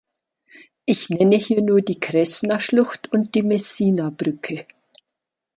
Ich nenne hier nur die Kresna-Schlucht und die Messina-Brücke.